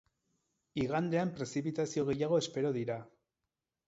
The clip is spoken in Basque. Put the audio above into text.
Igandean prezipitazio gehiago espero dira.